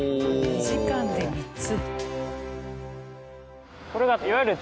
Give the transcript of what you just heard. ２時間で３つ。